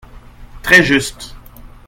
Très juste